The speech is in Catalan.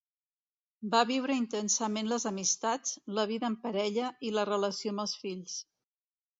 Va viure intensament les amistats, la vida de parella, i la relació amb els fills.